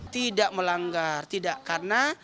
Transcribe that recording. tidak melanggar tidak karena